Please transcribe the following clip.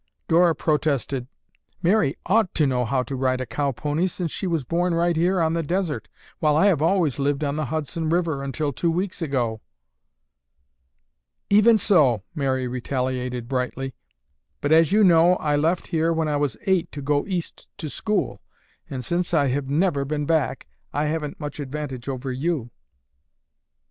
Dora protested, "Mary ought to know how to ride a cow pony since she was born right here on the desert while I have always lived on the Hudson River until two weeks ago." "Even so," Mary retaliated brightly, "but, as you know, I left here when I was eight to go East to school and since I have never been back, I haven't much advantage over you."